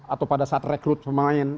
atau pada saat rekrut pemain